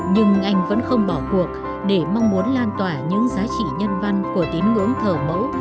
nhưng anh vẫn không bỏ cuộc để mong muốn lan tỏa những giá trị nhân văn của tín ngưỡng thờ mẫu